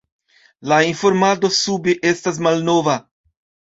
La informado sube estas malnova.